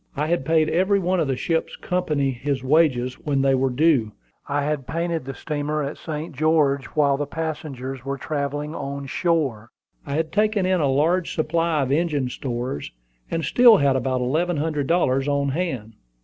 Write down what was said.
I had paid every one of the ship's company his wages when they were due; I had painted the steamer at St. George, while the passengers were travelling on shore; I had taken in a large supply of engine stores; and still had about eleven hundred dollars on hand.